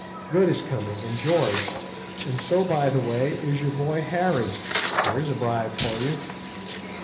Good is coming, and George; and so, by the way, is your boy Harry (there's a bribe for you).